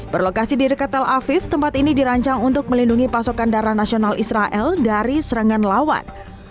berlokasi di dekat tel aviv tempat ini dirancang untuk melindungi pasokan darah nasional israel dari serangan lawan